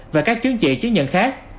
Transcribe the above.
và các chuyên chỉ chứng nhận khác